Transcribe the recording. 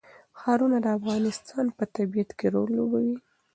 ښارونه د افغانستان په طبیعت کې رول لوبوي.